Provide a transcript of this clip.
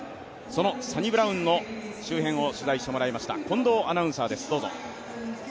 そのサニブラウンの周辺を取材してもらいました近藤アナウンサーです。